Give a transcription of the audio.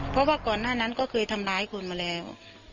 เพราะว่าก่อนหน้านั้นก็เคยทำร้ายคนมาแล้ว